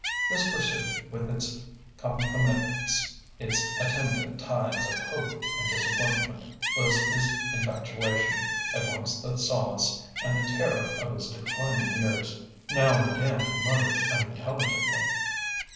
This pursuit, with its concomitants, its attendant tides of hope and disappointment, was his infatuation, at once the solace and the terror of his declining years. Now and again he muttered unintelligibly.